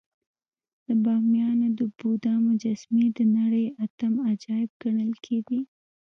د بامیانو د بودا مجسمې د نړۍ اتم عجایب ګڼل کېدې